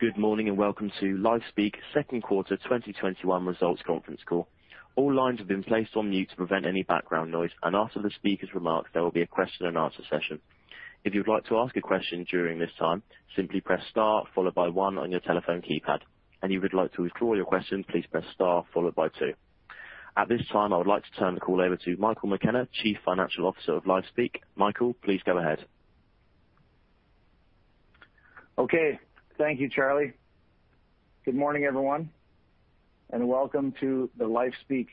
Good morning, and welcome to LifeSpeak second quarter 2021 results conference call. All lines have been set on mute to prevent any background noise and after the speakers remarks there will be a question and answer session. If you would like to ask a question during this time simply press star followed by one on your telephone keypad. And if you would like to withdraw your question please ress star followed by two. At this time, I would like to turn the call over to Michael McKenna, Chief Financial Officer of LifeSpeak. Michael, please go ahead. Okay. Thank you, Charlie. Good morning, everyone, and welcome to the LifeSpeak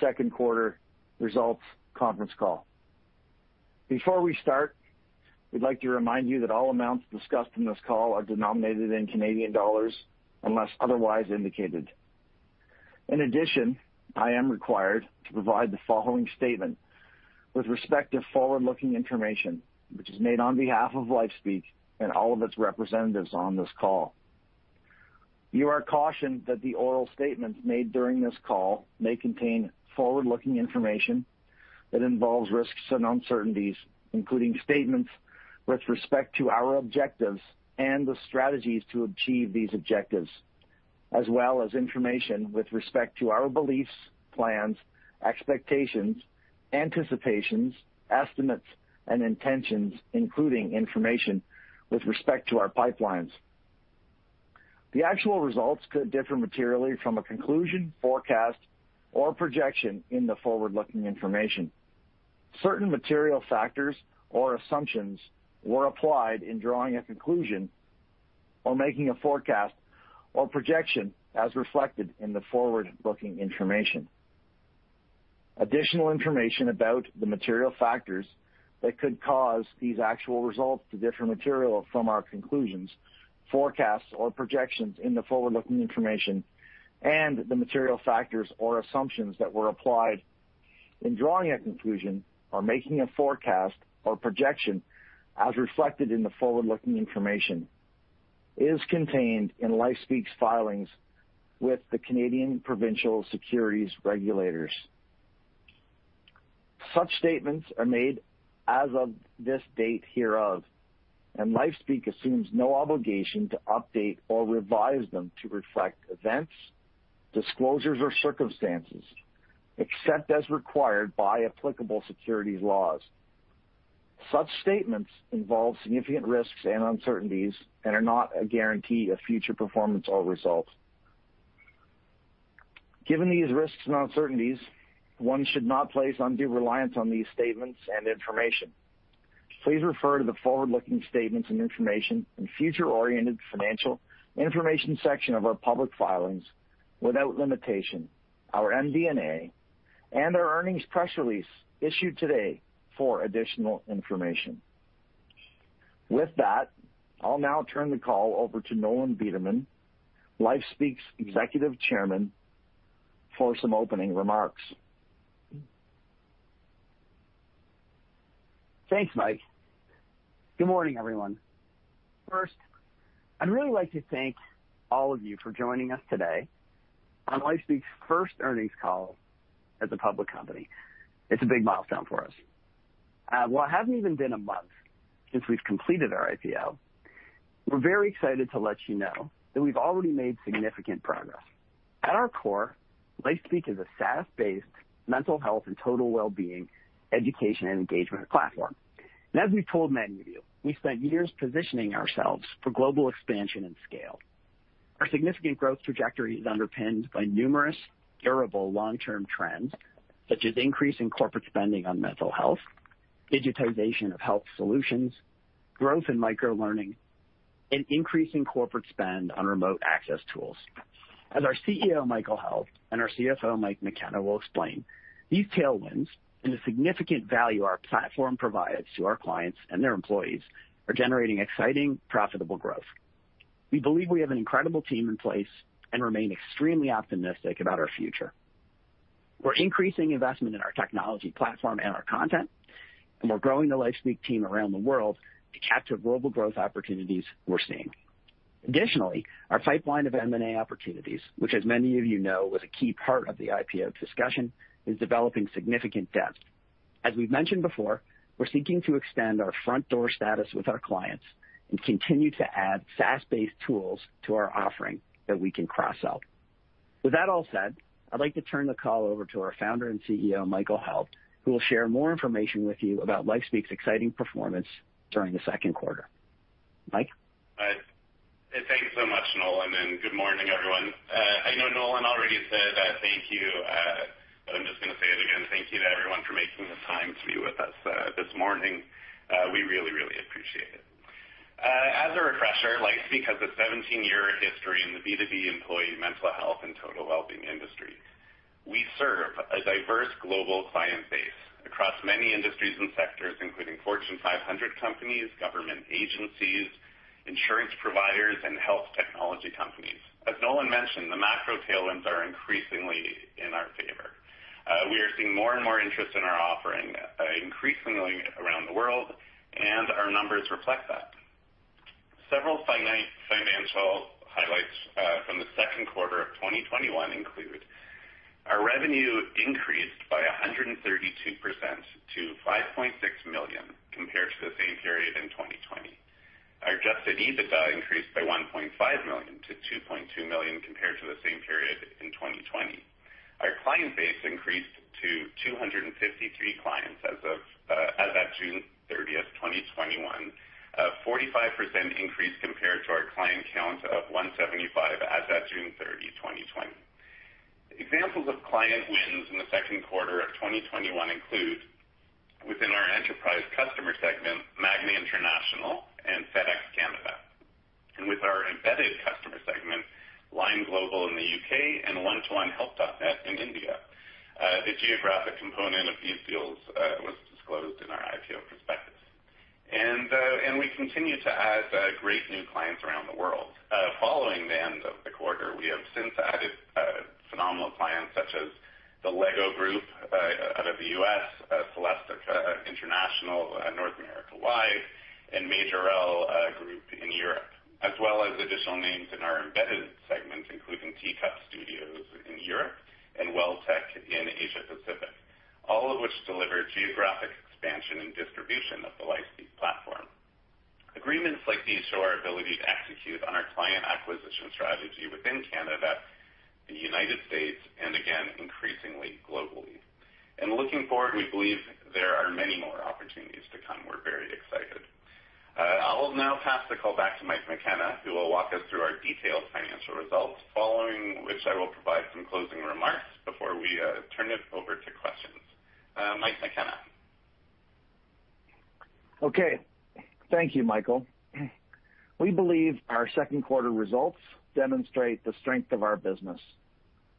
second quarter results conference call. Before we start, we would like to remind you that all amounts discussed on this call are denominated in Canadian dollars unless otherwise indicated. In addition, I am required to provide the following statement with respect to forward-looking information, which is made on behalf of LifeSpeak and all of its representatives on this call. You are cautioned that the oral statements made during this call may contain forward-looking information that involves risks and uncertainties, including statements with respect to our objectives and the strategies to achieve these objectives, as well as information with respect to our beliefs, plans, expectations, anticipations, estimates, and intentions, including information with respect to our pipelines. The actual results could differ materially from a conclusion, forecast, or projection in the forward-looking information. Certain material factors or assumptions were applied in drawing a conclusion or making a forecast or projection as reflected in the forward-looking information. Additional information about the material factors that could cause these actual results to differ materially from our conclusions, forecasts, or projections in the forward-looking information and the material factors or assumptions that were applied in drawing a conclusion or making a forecast or projection as reflected in the forward-looking information is contained in LifeSpeak's filings with the Canadian Provincial Securities Regulators. Such statements are made as of this date hereof, and LifeSpeak assumes no obligation to update or revise them to reflect events, disclosures, or circumstances, except as required by applicable securities laws. Such statements involve significant risks and uncertainties and are not a guarantee of future performance or results. Given these risks and uncertainties, one should not place undue reliance on these statements and information. Please refer to the forward-looking statements and information in future-oriented financial information section of our public filings, without limitation, our MD&A, and our earnings press release issued today for additional information. With that, I'll now turn the call over to Nolan Bederman, LifeSpeak's Executive Chairman, for some opening remarks. Thanks, Mike. Good morning, everyone. First, I'd really like to thank all of you for joining us today on LifeSpeak's first earnings call as a public company. It's a big milestone for us. While it hasn't even been a month since we've completed our IPO, we're very excited to let you know that we've already made significant progress. At our core, LifeSpeak is a SaaS-based mental health and total well-being education and engagement platform. As we've told many of you, we've spent years positioning ourselves for global expansion and scale. Our significant growth trajectory is underpinned by numerous durable long-term trends, such as increase in corporate spending on mental health, digitization of health solutions, growth in micro-learning, and increase in corporate spend on remote access tools. As our CEO, Michael Held, and our CFO, Mike McKenna, will explain, these tailwinds and the significant value our platform provides to our clients and their employees are generating exciting, profitable growth. We believe we have an incredible team in place and remain extremely optimistic about our future. We're increasing investment in our technology platform and our content, and we're growing the LifeSpeak team around the world to capture global growth opportunities we're seeing. Additionally, our pipeline of M&A opportunities, which as many of you know, was a key part of the IPO discussion, is developing significant depth. As we've mentioned before, we're seeking to extend our front-door status with our clients and continue to add SaaS-based tools to our offering that we can cross-sell. With that all said, I'd like to turn the call over to our founder and CEO, Michael Held, who will share more information with you about LifeSpeak's exciting performance during the second quarter. Mike? Hi. Thanks so much, Nolan, good morning, everyone. I know Nolan already said thank you, I'm just going to say it again. Thank you to everyone for making the time to be with us this morning. We really appreciate it. As a refresher, LifeSpeak has a 17-year history in the B2B employee mental health and total well-being industry. We serve a diverse global client base across many industries and sectors, including Fortune 500 companies, government agencies, insurance providers, and health technology companies. As Nolan mentioned, the macro tailwinds are increasingly in our favor. We are seeing more and more interest in our offering increasingly around the world, our numbers reflect that. Several financial highlights from the second quarter of 2021 include. Our revenue increased by 132% to 5.6 million compared to the same period in 2020. Our adjusted EBITDA increased by 1.5 million to 2.2 million compared to the same period in 2020. Our client base increased to 253 clients at June 30th, 2021, a 45% increase compared to our client count of 175 as at June 30, 2020. Examples of client wins in the second quarter of 2021 include, within our enterprise customer segment, Magna International and FedEx Canada. With our embedded customer segment, Lime Global in the U.K. and 1to1help.net in India. The geographic component of these deals was disclosed in our IPO prospectus. We continue to add great new clients around the world. Following the end of the quarter, we have since added phenomenal clients such as the LEGO Group out of the U.S., Celestica International, North America-wide, and Majorel Group in Europe. As well as additional names in our embedded segment, including T-Cup Studios in Europe and Welltec in Asia Pacific, all of which deliver geographic expansion and distribution of the LifeSpeak platform. Agreements like these show our ability to execute on our client acquisition strategy within Canada, the United States, and again, increasingly globally. Looking forward, we believe there are many more opportunities to come. We're very excited. I will now pass the call back to Mike McKenna, who will walk us through our detailed financial results, following which I will provide some closing remarks before we turn it over to questions. Mike McKenna. Okay. Thank you, Michael. We believe our second quarter results demonstrate the strength of our business,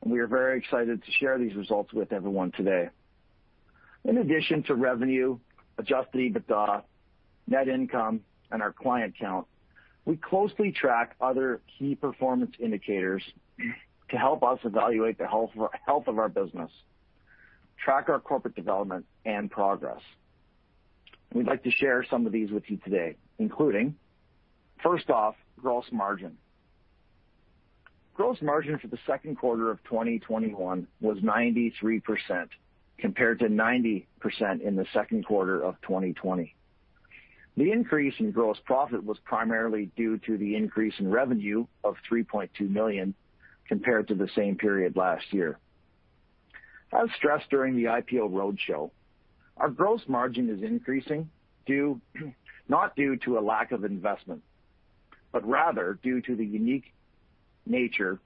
and we are very excited to share these results with everyone today. In addition to revenue, adjusted EBITDA, net income, and our client count, we closely track other key performance indicators to help us evaluate the health of our business, track our corporate development, and progress. We'd like to share some of these with you today, including, first off, gross margin. Gross margin for the second quarter of 2021 was 93%, compared to 90% in the second quarter of 2020. The increase in gross profit was primarily due to the increase in revenue of 3.2 million compared to the same period last year. As stressed during the IPO roadshow, our gross margin is increasing not due to a lack of investment, but rather due to the unique nature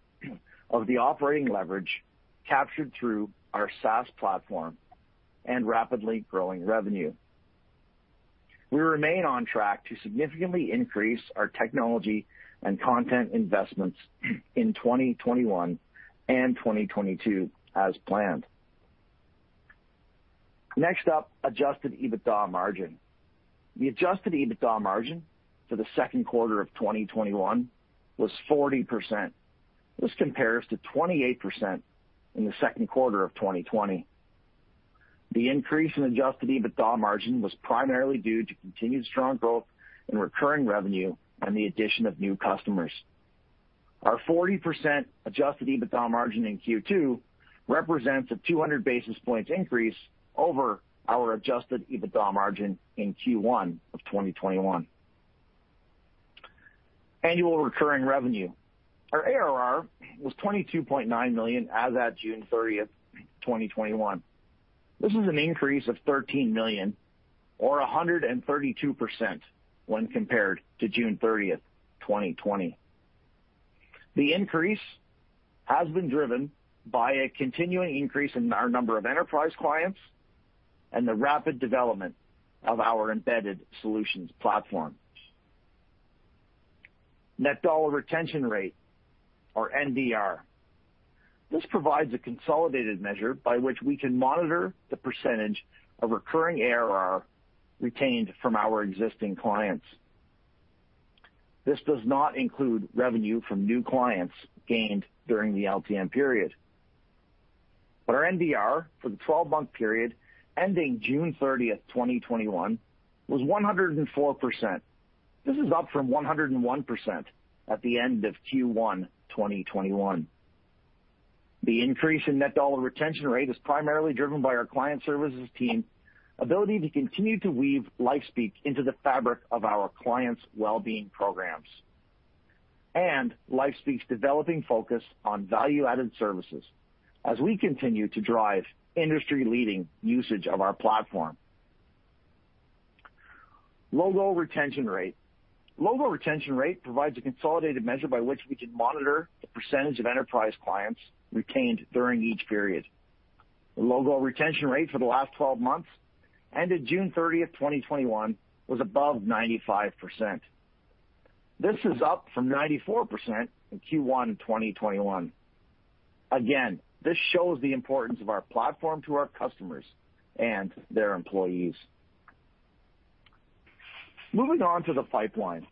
of the operating leverage captured through our SaaS platform and rapidly growing revenue. We remain on track to significantly increase our technology and content investments in 2021 and 2022 as planned. Next up, adjusted EBITDA margin. The adjusted EBITDA margin for the second quarter of 2021 was 40%. This compares to 28% in the second quarter of 2020. The increase in adjusted EBITDA margin was primarily due to continued strong growth in recurring revenue and the addition of new customers. Our 40% adjusted EBITDA margin in Q2 represents a 200 basis points increase over our adjusted EBITDA margin in Q1 of 2021. Annual recurring revenue. Our ARR was 22.9 million as at June 30th, 2021. This is an increase of 13 million or 132% when compared to June 30th, 2020. The increase has been driven by a continuing increase in our number of enterprise clients and the rapid development of our embedded solutions platform. Net dollar retention rate, or NDR. This provides a consolidated measure by which we can monitor the percentage of recurring ARR retained from our existing clients. This does not include revenue from new clients gained during the LTM period. Our NDR for the 12-month period ending June 30th, 2021, was 104%. This is up from 101% at the end of Q1 2021. The increase in net dollar retention rate is primarily driven by our client services team ability to continue to weave LifeSpeak into the fabric of our clients' wellbeing programs, and LifeSpeak's developing focus on value-added services as we continue to drive industry-leading usage of our platform. Logo retention rate. Logo retention rate provides a consolidated measure by which we can monitor the percentage of enterprise clients retained during each period. The logo retention rate for the last 12 months, ended June 30, 2021, was above 95%. This is up from 94% in Q1 2021. Again, this shows the importance of our platform to our customers and their employees. Moving on to the pipeline.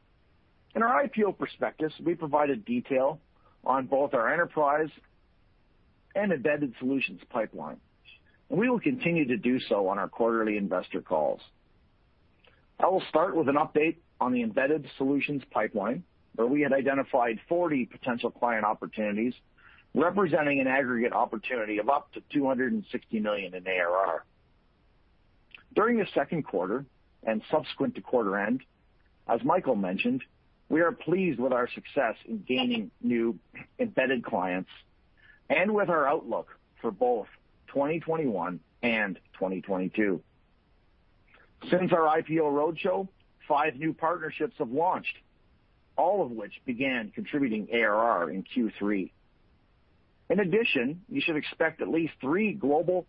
In our IPO prospectus, we provided detail on both our enterprise and embedded solutions pipeline. We will continue to do so on our quarterly investor calls. I will start with an update on the embedded solutions pipeline, where we had identified 40 potential client opportunities, representing an aggregate opportunity of up to 260 million in ARR. During the second quarter and subsequent to quarter end, as Michael mentioned, we are pleased with our success in gaining new embedded clients and with our outlook for both 2021 and 2022. Since our IPO roadshow, five new partnerships have launched, all of which began contributing ARR in Q3. In addition, you should expect at least three global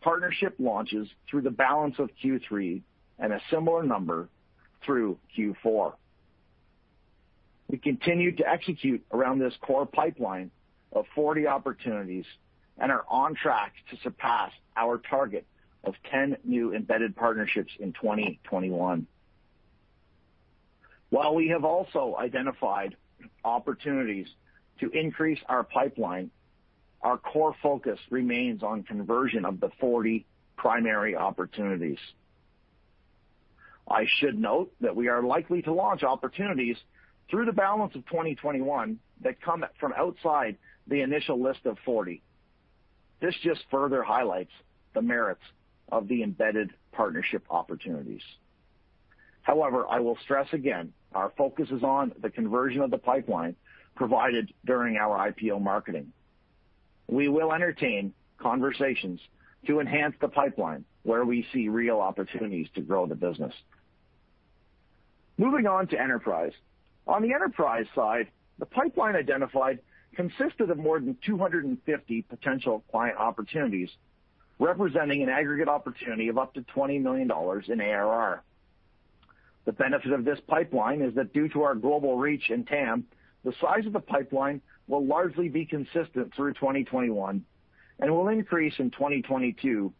partnership launches through the balance of Q3 and a similar number through Q4. We continue to execute around this core pipeline of 40 opportunities and are on track to surpass our target of 10 new embedded partnerships in 2021. While we have also identified opportunities to increase our pipeline, our core focus remains on conversion of the 40 primary opportunities. I should note that we are likely to launch opportunities through the balance of 2021 that come from outside the initial list of 40. This just further highlights the merits of the embedded partnership opportunities. However, I will stress again, our focus is on the conversion of the pipeline provided during our IPO marketing. We will entertain conversations to enhance the pipeline where we see real opportunities to grow the business. Moving on to enterprise. On the enterprise side, the pipeline identified consisted of more than 250 potential client opportunities, representing an aggregate opportunity of up to 20 million dollars in ARR. The benefit of this pipeline is that due to our global reach and TAM, the size of the pipeline will largely be consistent through 2021 and will increase in 2022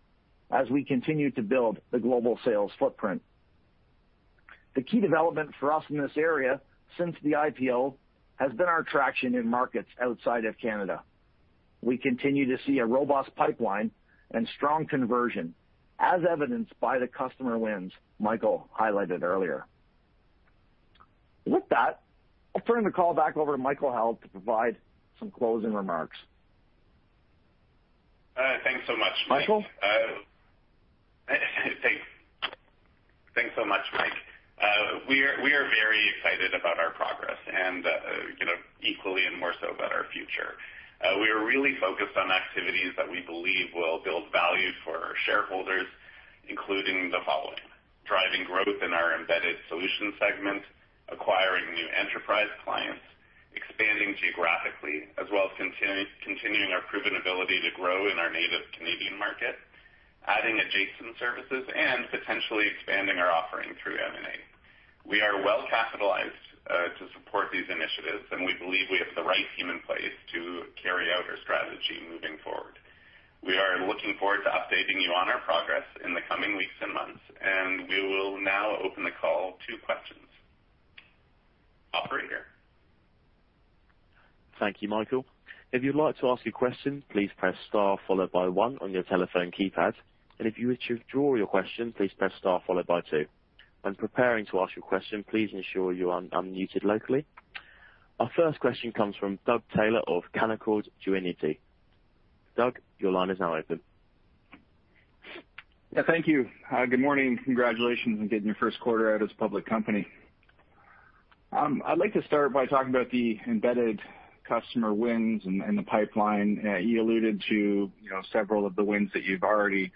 as we continue to build the global sales footprint. The key development for us in this area since the IPO has been our traction in markets outside of Canada. We continue to see a robust pipeline and strong conversion, as evidenced by the customer wins Michael highlighted earlier. With that, I'll turn the call back over to Michael Held to provide some closing remarks. Thanks so much. Michael? Thanks so much, Mike. We are very excited about our progress and equally and more so about our future. We are really focused on activities that we believe will build value for our shareholders, including the following: driving growth in our embedded solutions segment, acquiring new enterprise clients, expanding geographically, as well as continuing our proven ability to grow in our native Canadian market, adding adjacent services, and potentially expanding our offering through M&A. We are well-capitalized to support these initiatives, and we believe we have the right team in place to carry out our strategy moving forward. We are looking forward to updating you on our progress in the coming weeks and months, and we will now open the call to questions. Operator? Thank you, Michael. If you'd like to ask a question, please press star followed by 1 on your telephone keypad. If you wish to withdraw your question, please press star followed by 2. When preparing to ask your question, please ensure you are unmuted locally. Our first question comes from Doug Taylor of Canaccord Genuity. Doug, your line is now open. Thank you. Good morning. Congratulations on getting your 1st quarter out as a public company. I'd like to start by talking about the embedded customer wins and the pipeline. You alluded to several of the wins that you've already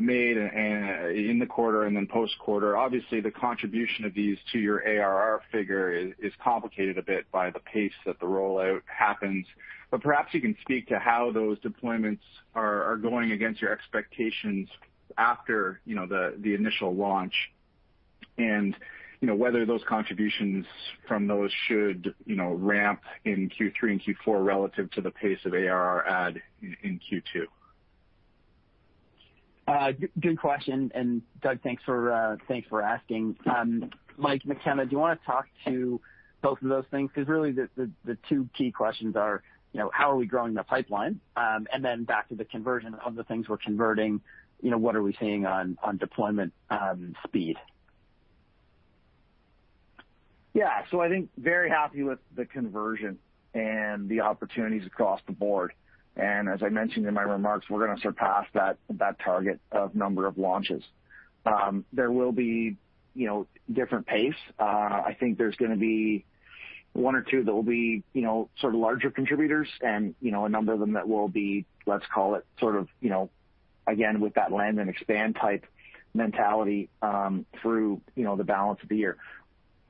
made in the quarter and then post-quarter. Obviously, the contribution of these to your ARR figure is complicated a bit by the pace that the rollout happens. Perhaps you can speak to how those deployments are going against your expectations after the initial launch and whether those contributions from those should ramp in Q3 and Q4 relative to the pace of ARR add in Q2. Good question. Doug, thanks for asking. Mike McKenna, do you want to talk to both of those things? Really the two key questions are how are we growing the pipeline, and then back to the conversion of the things we're converting, what are we seeing on deployment speed? I think very happy with the conversion and the opportunities across the board. As I mentioned in my remarks, we're going to surpass that target of number of launches. There will be different pace. I think there's going to be one or two that will be sort of larger contributors and a number of them that will be, let's call it sort of, again, with that land and expand type mentality through the balance of the year.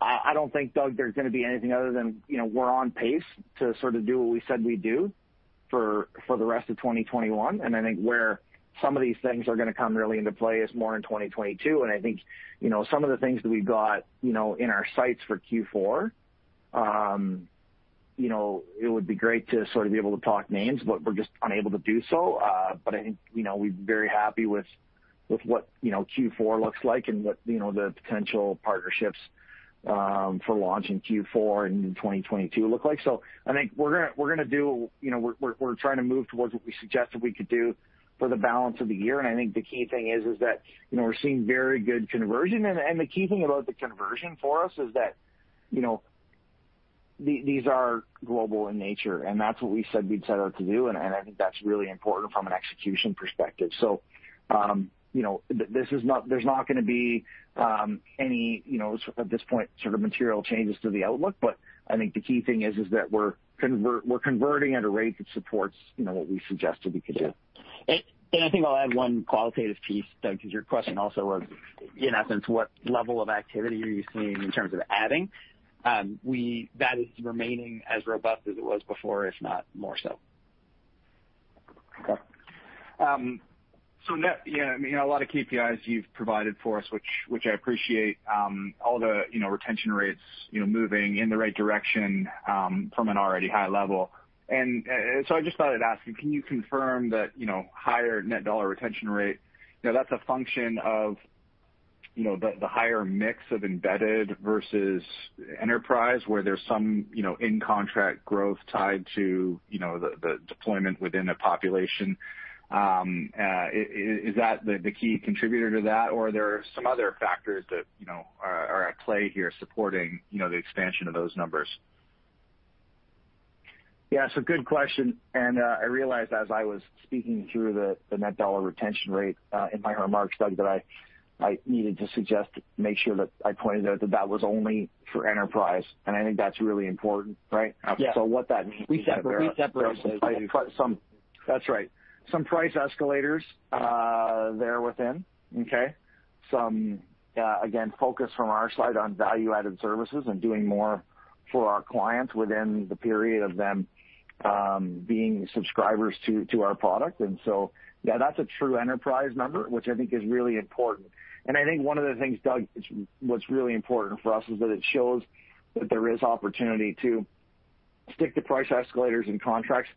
I don't think, Doug, there's going to be anything other than we're on pace to sort of do what we said we'd do for the rest of 2021. I think where some of these things are going to come really into play is more in 2022. I think some of the things that we've got in our sights for Q4, it would be great to sort of be able to talk names, but we're just unable to do so. I think we're very happy with what Q4 looks like and what the potential partnerships for launch in Q4 and in 2022 look like. I think we're trying to move towards what we suggested we could do for the balance of the year. I think the key thing is that we're seeing very good conversion. The key thing about the conversion for us is that these are global in nature, and that's what we said we'd set out to do, and I think that's really important from an execution perspective. There's not going to be any, at this point, sort of material changes to the outlook. I think the key thing is that we're converting at a rate that supports what we suggested we could do. Yeah. I think I'll add one qualitative piece, Doug, because your question also was, in essence, what level of activity are you seeing in terms of adding? That is remaining as robust as it was before, if not more so. Net, yeah, a lot of KPIs you've provided for us, which I appreciate all the retention rates moving in the right direction from an already high level. I just thought I'd ask you, can you confirm that higher net dollar retention rate, that is a function of the higher mix of embedded versus enterprise where there is some in-contract growth tied to the deployment within a population? Is that the key contributor to that or are there some other factors that are at play here supporting the expansion of those numbers? Yeah. Good question, and I realized as I was speaking through the net dollar retention rate in my remarks, Doug, that I needed to make sure that I pointed out that was only for enterprise, and I think that's really important, right? Absolutely. What that means is that. We separate those. some, that's right. Some price escalators there within. Okay. Some, again, focus from our side on value-added services and doing more for our clients within the period of them being subscribers to our product. That's a true enterprise number, which I think is really important. I think one of the things, Doug, what's really important for us is that it shows that there is opportunity to stick to price escalators and contracts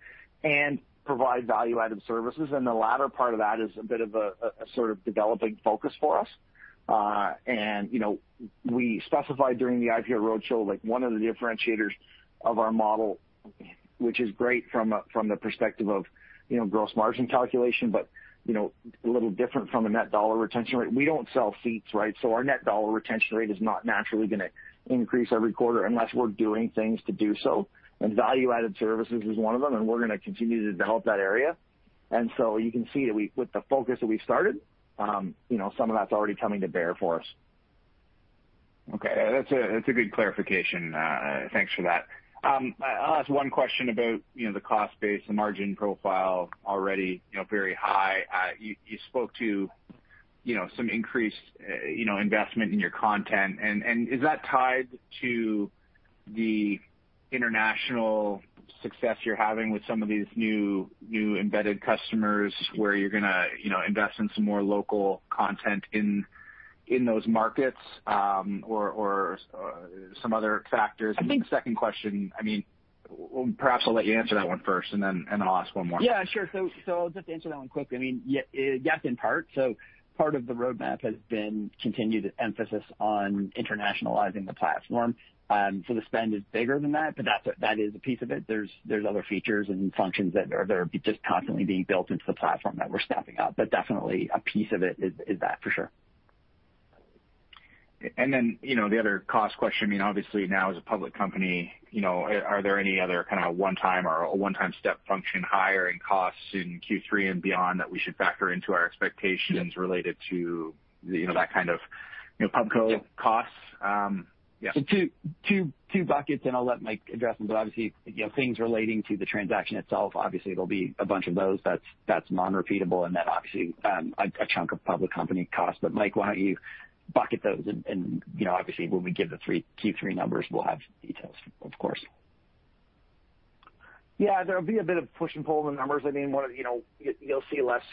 and provide value-added services, and the latter part of that is a bit of a sort of developing focus for us. We specified during the IPO roadshow like one of the differentiators of our model, which is great from the perspective of gross margin calculation, but a little different from a net dollar retention rate. We don't sell seats, right. Our net dollar retention rate is not naturally going to increase every quarter unless we're doing things to do so, and value-added services is one of them, and we're going to continue to develop that area. You can see that with the focus that we started, some of that's already coming to bear for us. Okay. That's a good clarification. Thanks for that. I'll ask one question about the cost base, the margin profile already very high. You spoke to some increased investment in your content, and is that tied to the international success you're having with some of these new embedded customers where you're going to invest in some more local content in those markets, or some other factors? I think- Second question, perhaps I'll let you answer that one first, and then I'll ask one more. Yeah, sure. I'll just answer that one quickly. Yes, in part. Part of the roadmap has been continued emphasis on internationalizing the platform. The spend is bigger than that, but that is a piece of it. There's other features and functions that are just constantly being built into the platform that we're staffing up. Definitely a piece of it is that, for sure. The other cost question, obviously now as a public company, are there any other kind of one-time or a one-time step function hiring costs in Q3 and beyond that we should factor into our expectations related to that kind of pub co costs? Yeah. Two buckets, and I'll let Mike address them, but obviously, things relating to the transaction itself. Obviously, there'll be a bunch of those that's non-repeatable and that obviously a chunk of public company cost. Mike, why don't you bucket those and obviously when we give the Q3 numbers, we'll have details, of course. Yeah. There'll be a bit of push and pull in the numbers. You'll see less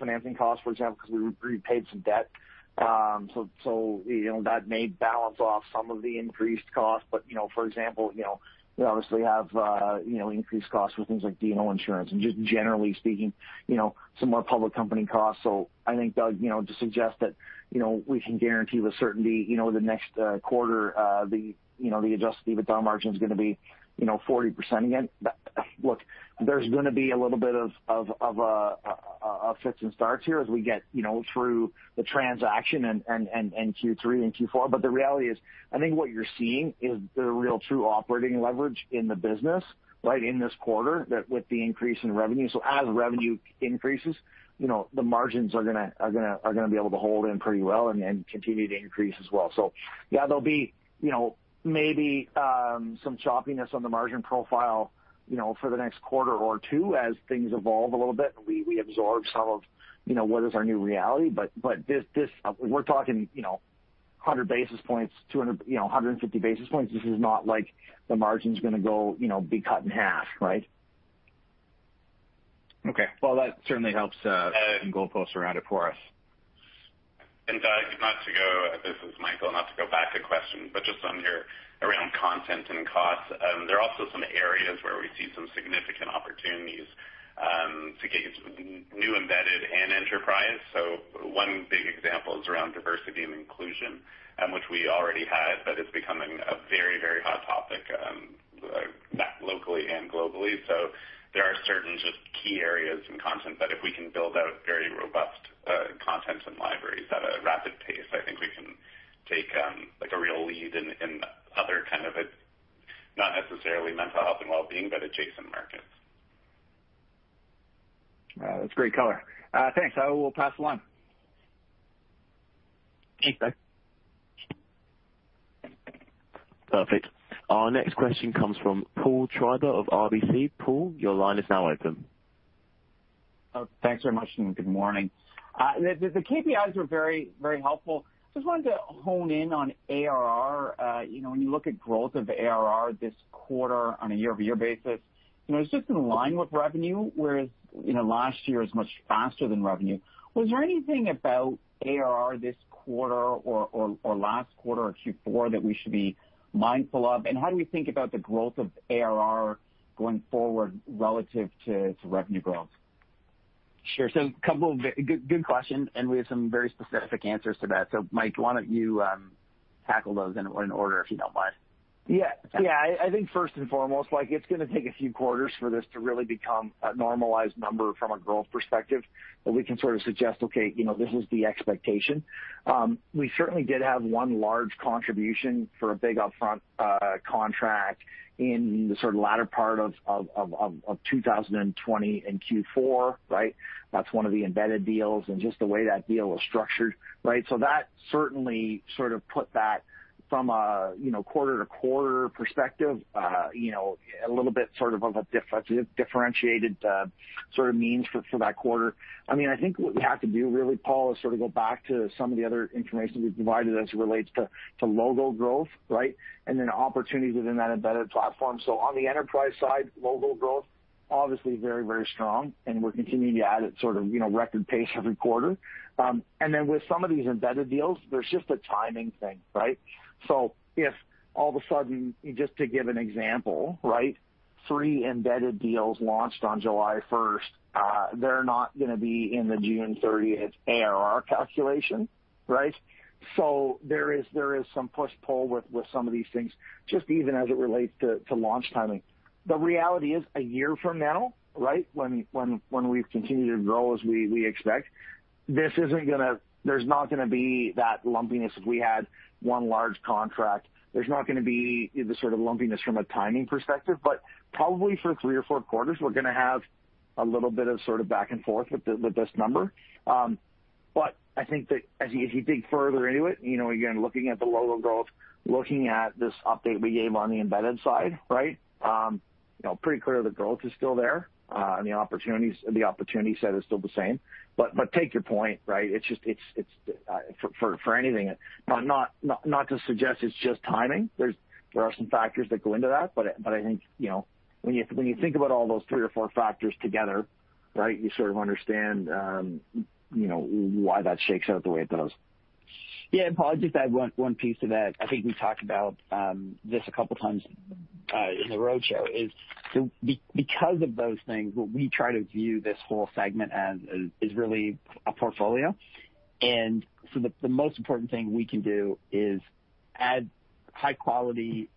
financing costs, for example, because we repaid some debt. That may balance off some of the increased costs. For example, we obviously have increased costs with things like D&O insurance and just generally speaking, some more public company costs. I think, Doug, to suggest that we can guarantee with certainty the next quarter the adjusted EBITDA margin's going to be 40% again. Look, there's going to be a little bit of fits and starts here as we get through the transaction and Q3 and Q4. The reality is, I think what you're seeing is the real true operating leverage in the business right in this quarter with the increase in revenue. As revenue increases, the margins are going to be able to hold in pretty well and continue to increase as well. Yeah, there'll be maybe some choppiness on the margin profile for the next quarter or two as things evolve a little bit and we absorb some of what is our new reality. We're talking 100 basis points, 150 basis points. This is not like the margin's going to be cut in half, right? Okay. Well, that certainly helps put some goalposts around it for us. Doug, this is Michael, not to go back a question, but just on here around content and costs. There are also some areas where we see some significant opportunities to get new embedded and enterprise. One big example is around diversity and inclusion, which we already had, but it's becoming a very, very hot topic locally and globally. There are certain just key areas in content that if we can build out very robust contents and libraries at a rapid pace, I think we can take a real lead in other kind of not necessarily mental health and wellbeing, but adjacent markets. That's great color. Thanks. I will pass the line. Thanks, Mike. Perfect. Our next question comes from Paul Treiber of RBC. Paul, your line is now open. Oh, thanks very much, and good morning. The KPIs were very helpful. Just wanted to hone in on ARR. When you look at growth of ARR this quarter on a year-over-year basis, it's just in line with revenue, whereas last year it was much faster than revenue. Was there anything about ARR this quarter or last quarter or Q4 that we should be mindful of? How do we think about the growth of ARR going forward relative to revenue growth? Sure. Good question, and we have some very specific answers to that. Mike, why don't you tackle those in order, if you don't mind? Yeah. I think first and foremost, it's going to take a few quarters for this to really become a normalized number from a growth perspective, but we can sort of suggest, okay, this is the expectation. We certainly did have one large contribution for a big upfront contract in the latter part of 2020 in Q4, right? That's one of the embedded deals and just the way that deal was structured, right? That certainly sort of put that from a quarter-to-quarter perspective a little bit of a differentiated sort of means for that quarter. I think what we have to do really, Paul, is sort of go back to some of the other information we've provided as it relates to logo growth, right? Opportunities within that embedded platform. On the enterprise side, logo growth, obviously very, very strong, and we're continuing to add at sort of record pace every quarter. With some of these embedded deals, there's just a timing thing, right? If all of a sudden, just to give an example, right, three embedded deals launched on July 1st, they're not going to be in the June 30th ARR calculation, right? There is some push and pull with some of these things, just even as it relates to launch timing. The reality is, a year from now, right, when we've continued to grow as we expect, there's not going to be that lumpiness as we had one large contract. There's not going to be the sort of lumpiness from a timing perspective. Probably for three or four quarters, we're going to have a little bit of sort of back and forth with this number. I think that as you dig further into it, again, looking at the logo growth, looking at this update we gave on the embedded side, right? Pretty clear the growth is still there, and the opportunity set is still the same. Take your point, right? For anything, not to suggest it's just timing. There are some factors that go into that. I think, when you think about all those 3 or 4 factors together, right, you sort of understand why that shakes out the way it does. Yeah. Paul, I'll just add one piece to that. I think we talked about this a couple times in the roadshow, is because of those things, what we try to view this whole segment as is really a portfolio. The most important thing we can do is add high-quality,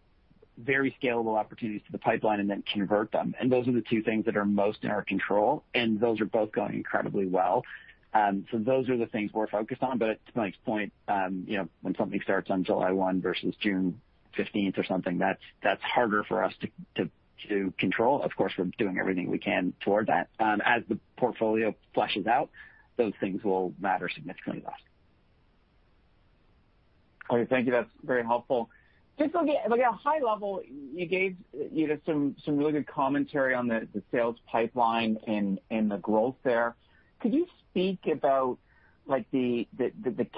very scalable opportunities to the pipeline and then convert them. Those are the two things that are most in our control, and those are both going incredibly well. Those are the things we're focused on. To Mike's point, when something starts on July 1 versus June 15th or something, that's harder for us to control. Of course, we're doing everything we can toward that. As the portfolio fleshes out, those things will matter significantly less. Okay. Thank you. That's very helpful. Just looking at high level, you gave some really good commentary on the sales pipeline and the growth there. Could you speak about the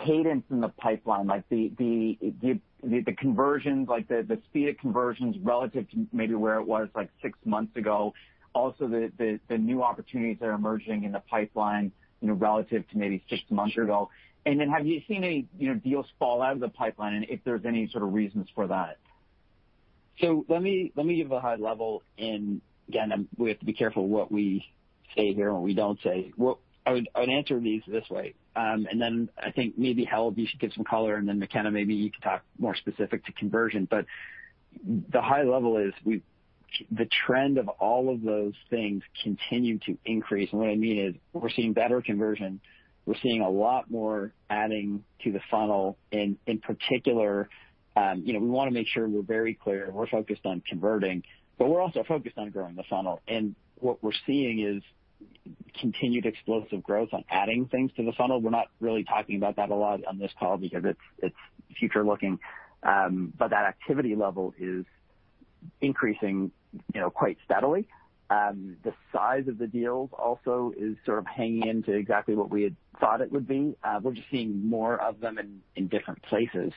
cadence in the pipeline, the conversions, the speed of conversions relative to maybe where it was six months ago? The new opportunities that are emerging in the pipeline relative to maybe six months ago. Have you seen any deals fall out of the pipeline, and if there's any sort of reasons for that? Let me give a high level, again, we have to be careful what we say here and we don't say. I would answer these this way, then I think maybe Held, you should give some color, then McKenna, maybe you could talk more specific to conversion. The high level is the trend of all of those things continue to increase. What I mean is we're seeing better conversion. We're seeing a lot more adding to the funnel. In particular, we want to make sure we're very clear, we're focused on converting, but we're also focused on growing the funnel. What we're seeing is continued explosive growth on adding things to the funnel. We're not really talking about that a lot on this call because it's future-looking. That activity level is increasing quite steadily. The size of the deals also is sort of hanging into exactly what we had thought it would be. We're just seeing more of them in different places.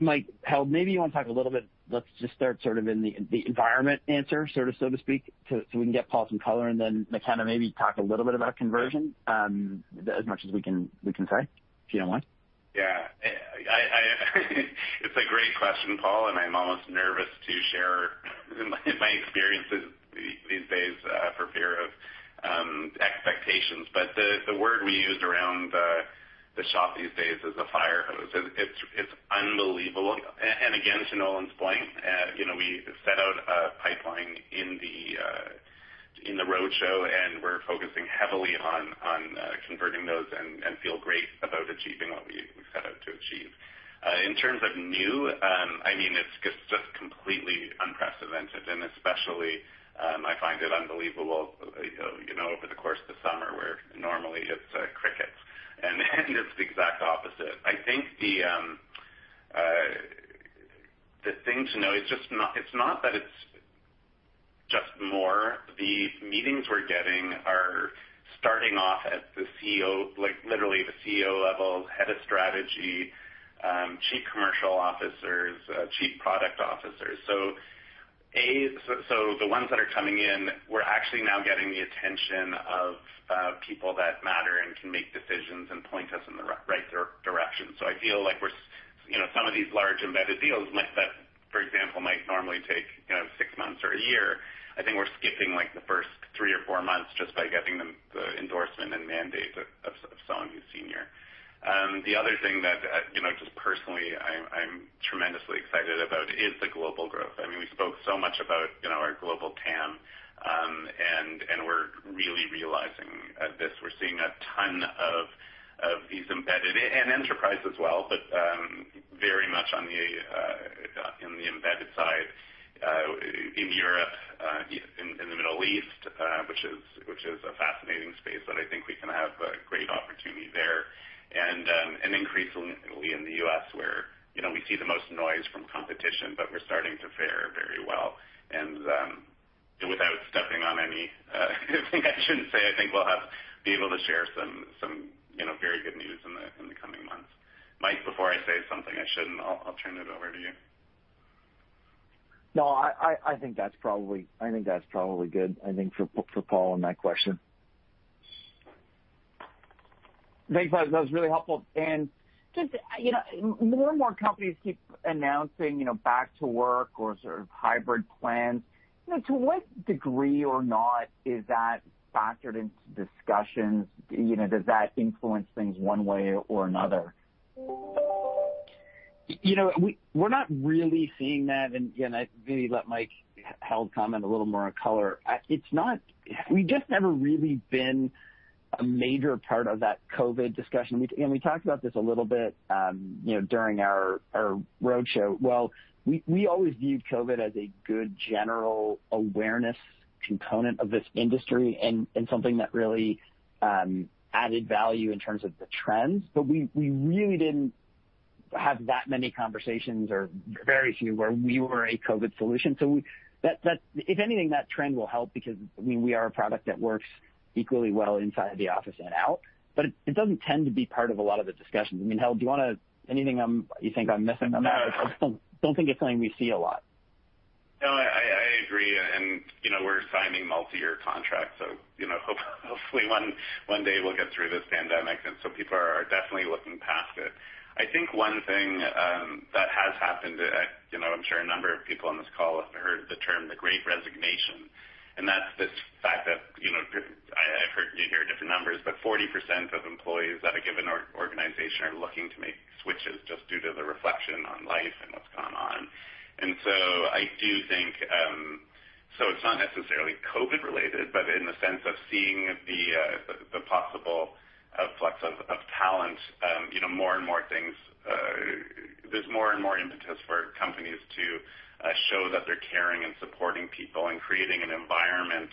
Michael Held, maybe you want to talk a little bit, let's just start sort of in the environment answer, so to speak, so we can get Paul Treiber some color, and then Mike McKenna, maybe talk a little bit about conversion, as much as we can say, if you don't mind. It's a great question, Paul, and I'm almost nervous to share my experiences for fear of expectations. The word we use around the shop these days is a fire hose. It's unbelievable. Again, to Nolan's point, we set out a pipeline in the roadshow, and we're focusing heavily on converting those, and feel great about achieving what we set out to achieve. In terms of new, it's just completely unprecedented, and especially, I find it unbelievable over the course of the summer, where normally it's crickets, and it's the exact opposite. I think the thing to know, it's not that it's just more. The meetings we're getting are starting off at the CEO, like literally the CEO level, head of strategy, Chief Commercial Officers, Chief Product Officers. The ones that are coming in, we're actually now getting the attention of people that matter and can make decisions and point us in the right direction. I feel like some of these large embedded deals might, for example, might normally take six months or one year. I think we're skipping the first three or four months just by getting them the endorsement and mandate of someone who's senior. The other thing that, just personally, I'm tremendously excited about is the global growth. We spoke so much about our global TAM, and we're really realizing this. We're seeing a ton of these embedded, and enterprise as well, but very much on the embedded side, in Europe, in the Middle East, which is a fascinating space that I think we can have a great opportunity there. Increasingly in the U.S. where we see the most noise from competition, but we're starting to fare very well. Without stepping on anything I shouldn't say, I think we'll be able to share some very good news in the coming months. Mike, before I say something I shouldn't, I'll turn it over to you. No, I think that's probably good, I think, for Paul on that question. Thanks, guys. That was really helpful. Just more and more companies keep announcing back to work or sort of hybrid plans. To what degree or not is that factored into discussions? Does that influence things one way or another? We're not really seeing that. Maybe let Mike Held comment a little more in color. We've just never really been a major part of that COVID discussion. We talked about this a little bit during our roadshow. Well, we always viewed COVID as a good general awareness component of this industry and something that really added value in terms of the trends. We really didn't have that many conversations or very few where we were a COVID solution. If anything, that trend will help because we are a product that works equally well inside the office and out. It doesn't tend to be part of a lot of the discussions. Held, anything you think I'm missing on that? No. I don't think it's something we see a lot. No, I agree. We're signing multi-year contracts, so hopefully one day we'll get through this pandemic, and so people are definitely looking past it. I think one thing that has happened, I'm sure a number of people on this call have heard the term "the Great Resignation," and that's this fact that, I've heard different numbers, but 40% of employees at a given organization are looking to make switches just due to the reflection on life and what's gone on. I do think, so it's not necessarily COVID related, but in the sense of seeing the possible flux of talent, there's more and more impetus for companies to show that they're caring and supporting people and creating an environment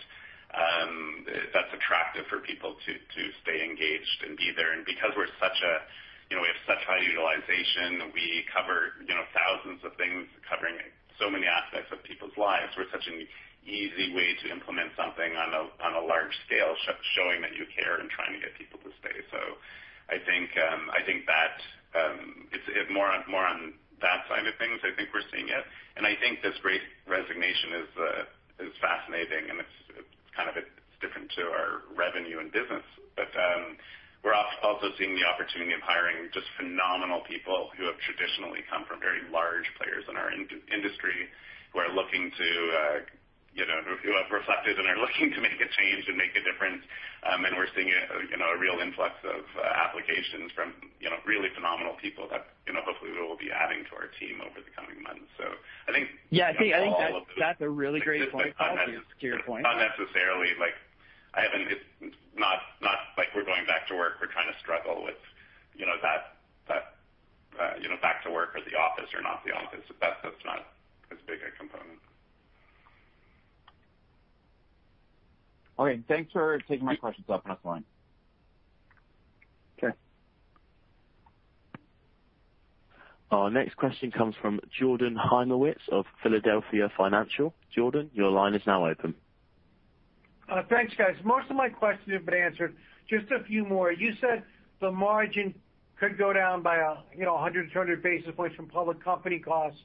that's attractive for people to stay engaged and be there. Because we have such high utilization, we cover thousands of things, covering so many aspects of people's lives. We're such an easy way to implement something on a large scale, showing that you care and trying to get people to stay. I think that it's more on that side of things, I think we're seeing it. I think this Great Resignation is fascinating, and it's kind of different to our revenue and business. We're also seeing the opportunity of hiring just phenomenal people who have traditionally come from very large players in our industry who have reflected and are looking to make a change and make a difference. We're seeing a real influx of applications from really phenomenal people that hopefully we will be adding to our team over the coming months. Yeah, I think that's a really great point, Held. all of this exists, but it's not necessarily like we're going back to work. We're trying to struggle with back to work or the office or not the office. That's not as big a component. Okay, thanks for taking my questions off the line. Okay. Our next question comes from Jordan Hymowitz of Philadelphia Financial. Jordan, your line is now open. Thanks, guys. Most of my questions have been answered. Just a few more. You said the margin could go down by 100 to 200 basis points from public company costs.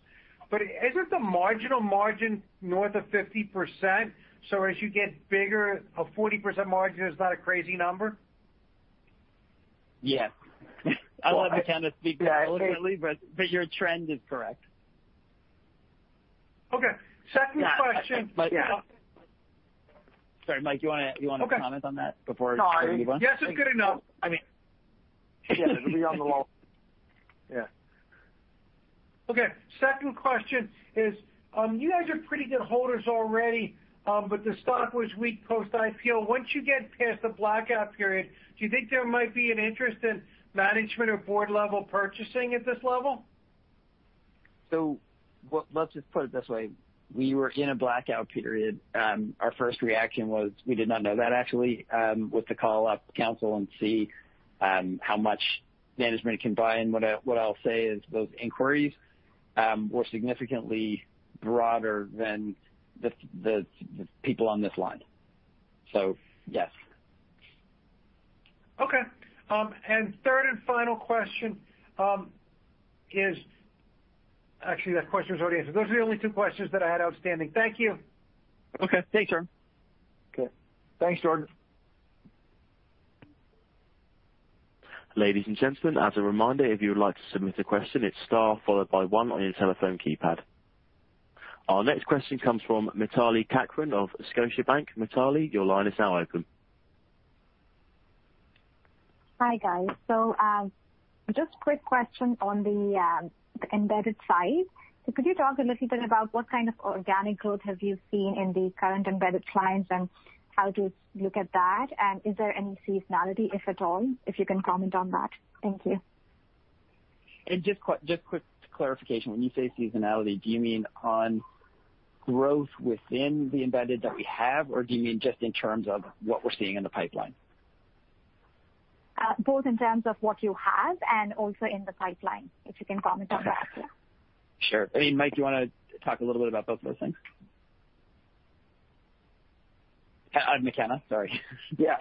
Isn't the marginal margin north of 50%, so as you get bigger, a 40% margin is not a crazy number? Yes. I don't want to kind of speak intelligently, but your trend is correct. Okay. Second question. Sorry, Mike, do you want to comment on that before I move on? No. Yes is good enough. I mean Yes, it would be on the low. Yeah. Okay. Second question is, you guys are pretty good holders already, but the stock was weak post-IPO. Once you get past the blackout period, do you think there might be an interest in management or board-level purchasing at this level? Let's just put it this way. We were in a blackout period. Our first reaction was we did not know that, actually. We had to call up counsel and see how much management can buy, and what I'll say is those inquiries were significantly broader than the people on this line. Yes. Okay. third and final question is Actually, that question was already answered. Those are the only two questions that I had outstanding. Thank you. Okay. Thanks, Jordan. Ladies and gentlemen, as a reminder, if you would like to submit a question, it's star followed by one on your telephone keypad. Our next question comes from Mitali Kakran of Scotiabank. Mitali, your line is now open. Hi, guys. Just a quick question on the embedded side. Could you talk a little bit about what kind of organic growth have you seen in the current embedded clients, and how do you look at that? Is there any seasonality, if at all? If you can comment on that. Thank you. Just quick clarification. When you say seasonality, do you mean on growth within the embedded that we have, or do you mean just in terms of what we're seeing in the pipeline? Both in terms of what you have and also in the pipeline, if you can comment on that? Yeah. Sure. I mean, Mike, do you want to talk a little bit about both of those things? McKenna, sorry. Yeah.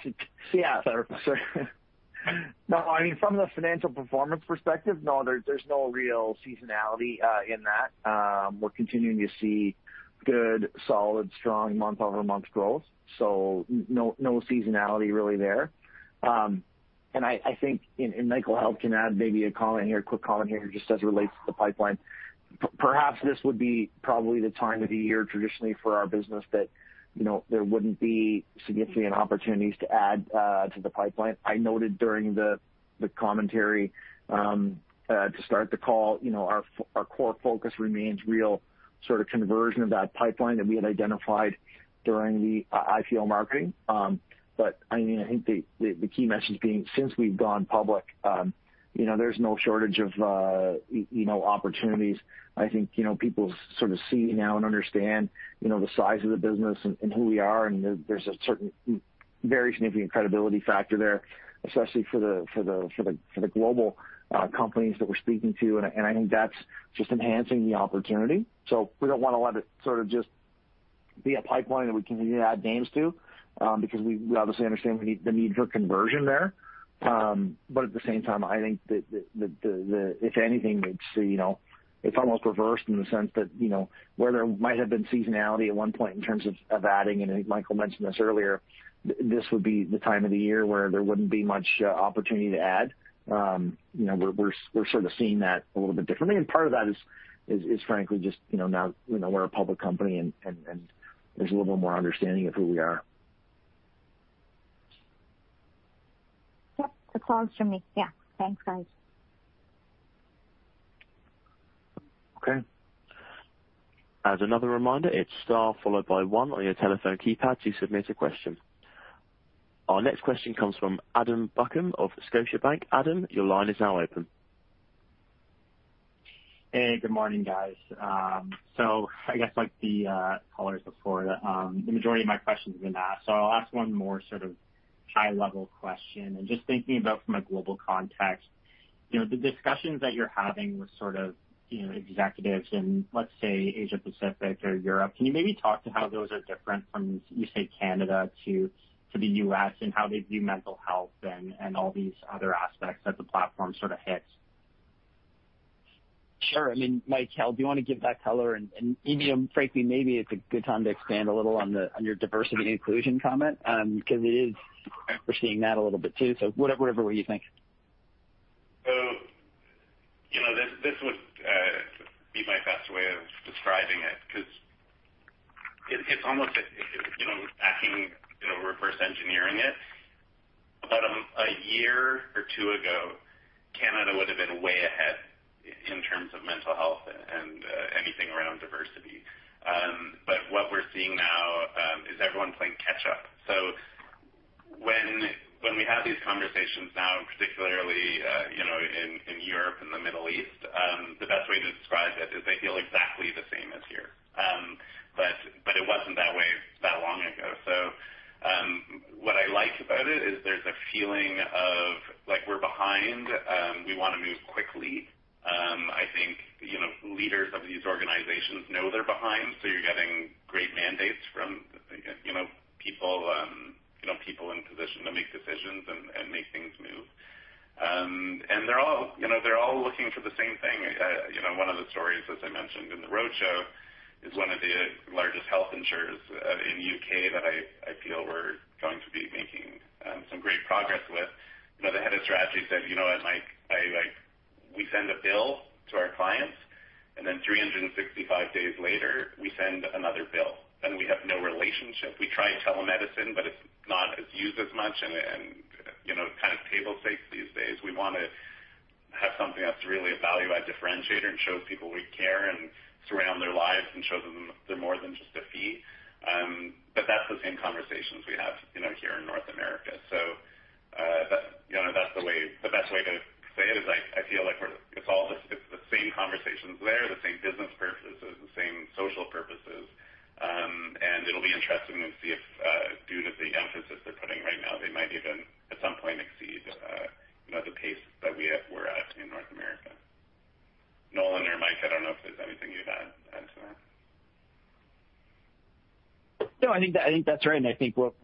Sorry. No, I mean, from the financial performance perspective, no, there's no real seasonality in that. We're continuing to see good, solid, strong month-over-month growth. No seasonality really there. I think, and Michael Held can add maybe a comment here, a quick comment here, just as it relates to the pipeline. Perhaps this would be probably the time of the year traditionally for our business that there wouldn't be significant opportunities to add to the pipeline. I noted during the commentary to start the call, our core focus remains real sort of conversion of that pipeline that we had identified during the IPO marketing. I think the key message being, since we've gone public, there's no shortage of opportunities. I think, people sort of see now and understand the size of the business and who we are. There's a very significant credibility factor there, especially for the global companies that we're speaking to. I think that's just enhancing the opportunity. We don't want to let it sort of just be a pipeline that we continue to add names to, because we obviously understand the need for conversion there. At the same time, I think that if anything, it's almost reversed in the sense that, where there might have been seasonality at one point in terms of adding, and I think Michael mentioned this earlier, this would be the time of the year where there wouldn't be much opportunity to add. We're sort of seeing that a little bit differently, and part of that is frankly just now we're a public company and there's a little bit more understanding of who we are. Yep. That's all from me. Yeah. Thanks, guys. Okay, as another reminder its star followed by one on your telephone keypad to submit your questions. Our next question comes from Adam Buckham of Scotiabank. Adam, your line is now open. Hey, good morning, guys. I guess like the caller before, the majority of my questions have been asked, so I'll ask one more sort of high-level question. Just thinking about from a global context, the discussions that you're having with sort of executives in, let's say, Asia Pacific or Europe, can you maybe talk to how those are different from, you say, Canada to the U.S., and how they view mental health and all these other aspects that the platform sort of hits? Sure. I mean, Mike Held, do you want to give that color and, frankly, maybe it's a good time to expand a little on your diversity and inclusion comment? Because we're seeing that a little bit too, so whatever you think. This would be my best way of describing it because it's almost like we're what, Mike? We send a bill to our clients, and then 365 days later, we send another bill, and we have no relationship. We try telemedicine, but it's not as used as much, and it's kind of table stakes these days. We want to have something that's really a value-add differentiator and shows people we care and surround their lives and show them they're more than just a fee." That's the same conversations we have here in North America. The best way to say it is I feel like it's the same conversations there, the same business purposes, the same social purposes. It'll be interesting to see if, due to the emphasis they're putting right now, they might even, at some point, exceed the pace that we're at in North America. Nolan or Mike, I don't know if there's anything you'd add to that. No, I think that's right, and I think what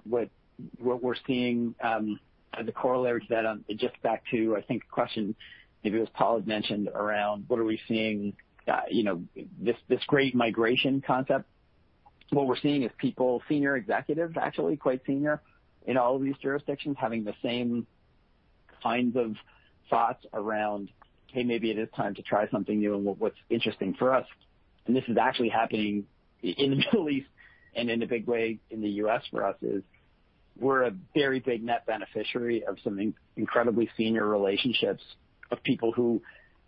we're seeing, the corollary to that, just back to, I think, a question, maybe it was Paul who mentioned around what are we seeing, the Great Resignation concept. What we're seeing is people, senior executives, actually quite senior, in all of these jurisdictions, having the same kinds of thoughts around, "Hey, maybe it is time to try something new." What's interesting for us, and this is actually happening in the Middle East and in a big way in the U.S. for us, is we're a very big net beneficiary of some incredibly senior relationships of people who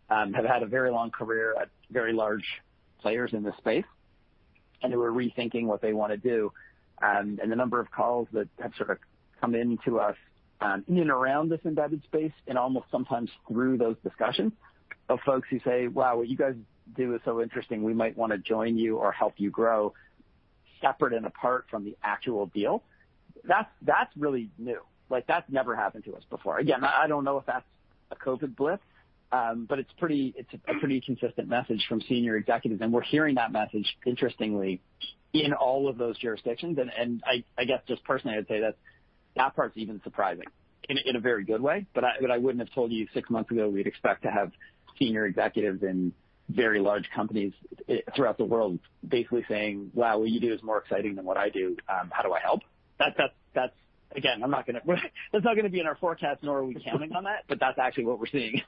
have had a very long career at very large players in this space, and who are rethinking what they want to do. The number of calls that have sort of come into us in and around this embedded space, and almost sometimes through those discussions of folks who say, "Wow, what you guys do is so interesting. We might want to join you or help you grow separate and apart from the actual deal." That's really new. That's never happened to us before. I don't know if that's a COVID blip, but it's a pretty consistent message from senior executives, and we're hearing that message, interestingly, in all of those jurisdictions. I guess just personally, I'd say that part's even surprising in a very good way. I wouldn't have told you 6 months ago we'd expect to have senior executives in very large companies throughout the world basically saying, "Wow, what you do is more exciting than what I do. How do I help?" That's not going to be in our forecast, nor are we counting on that, but that's actually what we're seeing.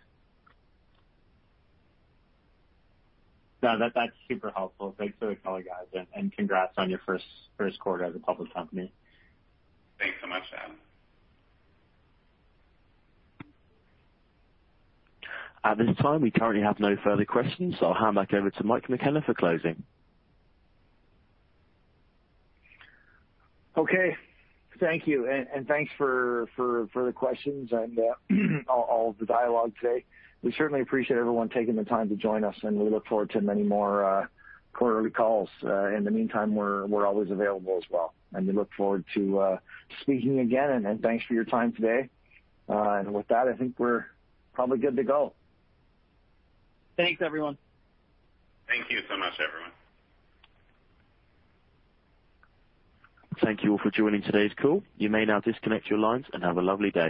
That's super helpful. Thanks for the call, guys, and congrats on your first quarter as a public company. Thanks so much, Adam. At this time, we currently have no further questions, so I'll hand back over to Mike McKenna for closing. Okay. Thank you, and thanks for the questions and all of the dialogue today. We certainly appreciate everyone taking the time to join us, and we look forward to many more quarterly calls. In the meantime, we're always available as well, and we look forward to speaking again. Thanks for your time today. With that, I think we're probably good to go. Thanks, everyone. Thank you so much, everyone. Thank you all for joining today's call. You may now disconnect your lines and have a lovely day.